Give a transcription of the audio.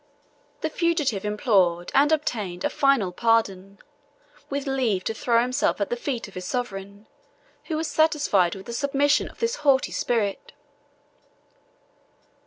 The fugitive implored and obtained a final pardon, with leave to throw himself at the feet of his sovereign, who was satisfied with the submission of this haughty spirit.